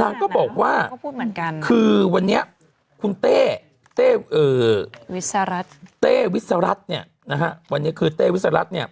นางก็บอกว่าคือวันนี้คุณเต้เต้วิสรัฐเนี่ยนะฮะวันนี้คือเต้วิสรัฐเนี่ย